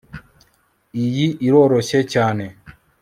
Iyi iroroshye cyane